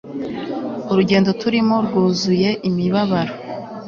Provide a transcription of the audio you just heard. urugendo turimo rwuzuye imibabaro